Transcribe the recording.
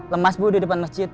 lemas bu di depan masjid